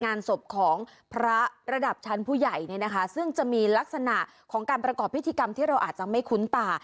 งานศพของพระระดับชั้นผู้ใหญ่เนี่ยนะคะซึ่งจะมีลักษณะของการประกอบพิธีกรรมที่เราอาจจะไม่คุ้นตา